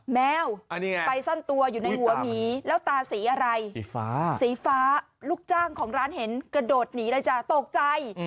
แมวไปซ่อนตัวอยู่ในหัวหมีแล้วตาสีอะไรสีฟ้าสีฟ้าลูกจ้างของร้านเห็นกระโดดหนีเลยจ้ะตกใจ